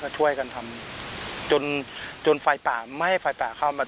ก็ช่วยกันทำจนไม่ให้ไฟป่าเข้ามา